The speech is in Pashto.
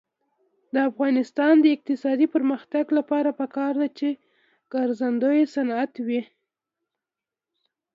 د افغانستان د اقتصادي پرمختګ لپاره پکار ده چې ګرځندوی صنعت وي.